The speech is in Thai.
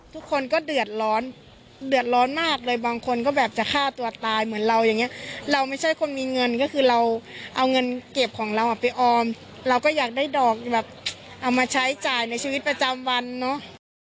ทุกคนก็เดือดร้อนเดือดร้อนมากเลยบางคนก็แบบจะฆ่าตัวตายเหมือนเราอย่างเงี้ยเราไม่ใช่คนมีเงินก็คือเราเอาเงินเก็บของเราอ่ะไปออมเราก็อยากได้ดอกแบบเอามาใช้จ่ายในชีวิตประจำวันเนาะ